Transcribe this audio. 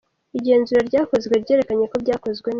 Igenzura ryakozwe ryerekanye ko byakozwe neza.